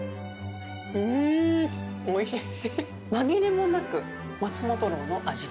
うんおいしい！